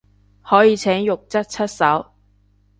可以請獄卒出手